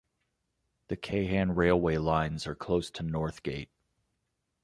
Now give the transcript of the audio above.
The Keihan Railway Lines are close to north gate.